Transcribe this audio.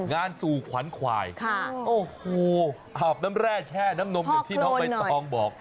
สู่ขวัญควายโอ้โหอาบน้ำแร่แช่น้ำนมอย่างที่น้องใบตองบอก